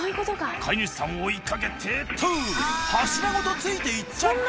飼い主さんを追いかけて柱ごとついていっちゃった！